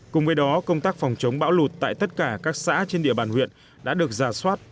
cùng với đó công tác phòng chống bão lụt tại tất cả các xã trên địa bàn huyện đã được giả soát